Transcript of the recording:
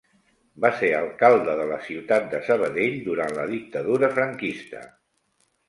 Va ser alcalde de la ciutat de Sabadell durant la dictadura franquista.